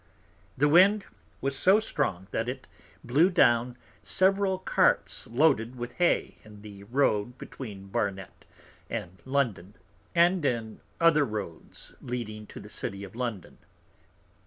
The Wind was so strong, that it blew down several Carts loaded with Hay in the Road between Barnet and London; and in other Roads leading to the City of London.